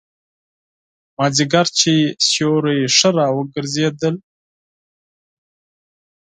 مازیګر چې سیوري ښه را وګرځېدل.